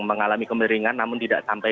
mengalami kemeringan namun tidak sampai